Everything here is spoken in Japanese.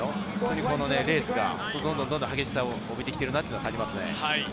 ２０２３年に向けてのレースがどんどん激しさを帯びてきてるなと感じますね。